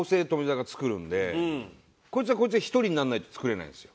こいつはこいつで１人にならないと作れないんですよ。